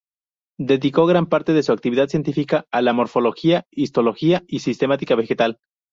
Dedicó gran parte de su actividad científica a la morfología, histología y sistemática vegetal.